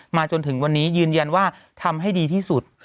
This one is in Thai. จนถึงวันนี้ยืนยันว่าทำให้ดีที่สุด